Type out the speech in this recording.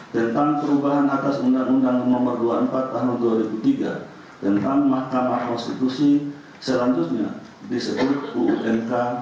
tentang perubahan atas undang undang nomor dua puluh empat tahun dua ribu tiga tentang mahkamah konstitusi selanjutnya disebut uunk